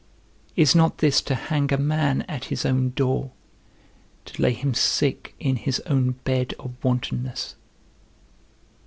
Is not this to hang a man at his own door, to lay him sick in his own bed of wantonness?